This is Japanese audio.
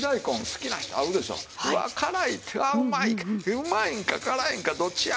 「うまいんか辛いんかどっちや！」